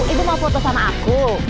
ibu mau foto sama aku